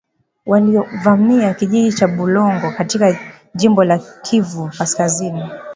walivamia kijiji cha Bulongo katika jimbo la Kivu kaskazini